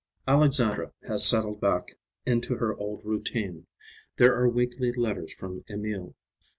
Alexandra has settled back into her old routine. There are weekly letters from Emil.